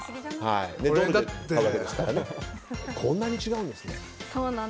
こんなに違うんですね。